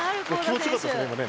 気持ちよかったですよね